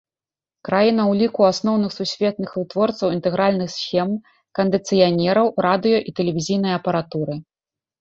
Краіна ў ліку асноўных сусветных вытворцаў інтэгральных схем, кандыцыянераў, радыё- і тэлевізійнай апаратуры.